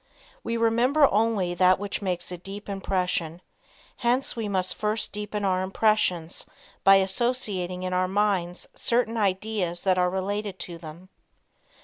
We remember only that which makes a deep impression, hence we must first deepen our impressions by associating in our minds certain ideas that are related to them.